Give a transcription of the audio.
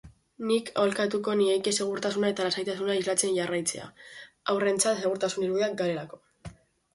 Nik aholkatuko nieke segurtasuna eta lasaitasuna islatzen jarraitzea, haurrentzat segurtasun irudiak garelako.